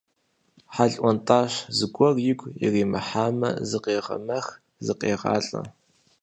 Хьэл ӏуэнтӏащ, зыгуэр игу иримыхьамэ зыкъегъэмэх, зыкъегъалӏэ.